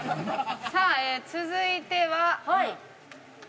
さあ続いては。